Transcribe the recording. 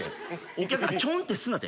お客ちょんってすなて！